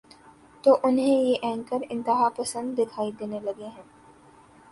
تو انہیں یہ اینکر انتہا پسند دکھائی دینے لگے ہیں۔